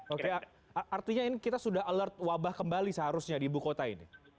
oke artinya ini kita sudah alert wabah kembali seharusnya di ibu kota ini